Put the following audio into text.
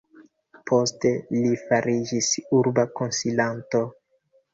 Poste li fariĝis urba konsilanto.